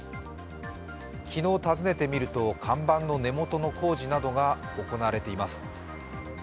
昨日、訪ねてみると看板の根元の工事などが行われています。